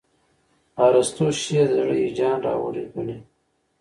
ارستو شعر د زړه هیجان راوړي ګڼي.